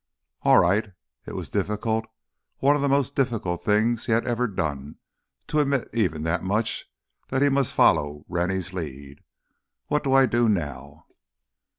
"All right." It was difficult, one of the most difficult things he had ever done, to admit even that much that he must follow Rennie's lead. "What do I do now?"